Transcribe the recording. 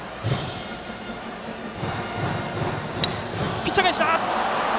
ピッチャー返し！